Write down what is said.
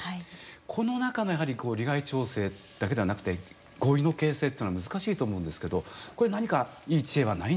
この中のやはり利害調整だけではなくて合意の形成っていうのは難しいと思うんですけどこれ何かいい知恵はないんでしょうか。